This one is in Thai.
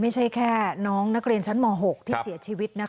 ไม่ใช่แค่น้องนักเรียนชั้นม๖ที่เสียชีวิตนะคะ